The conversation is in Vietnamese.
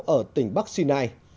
ở tỉnh bắc sinai